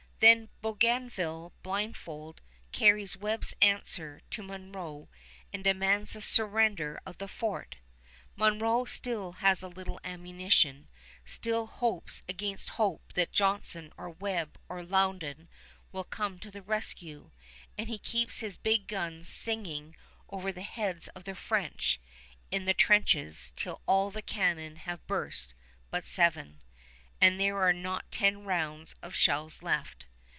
Then Bougainville blindfold carries Webb's answer to Monro and demands the surrender of the fort. Monro still has a little ammunition, still hopes against hope that Johnson or Webb or Loudon will come to the rescue, and he keeps his big guns singing over the heads of the French in their trenches till all the cannon have burst but seven, and there are not ten rounds of shells left.